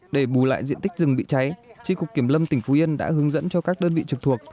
để bù lại diện tích rừng bị cháy tri cục kiểm lâm tỉnh phú yên đã hướng dẫn cho các đơn vị trực thuộc